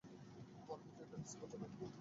মনে হচ্ছে এটা আজকেও হবে না।